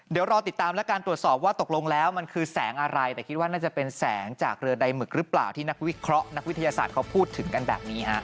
เดี๋ยวรอติดตามและการตรวจสอบว่าตกลงแล้วมันคือแสงอะไรแต่คิดว่าน่าจะเป็นแสงจากเรือใดหมึกหรือเปล่าที่นักวิเคราะห์นักวิทยาศาสตร์เขาพูดถึงกันแบบนี้ฮะ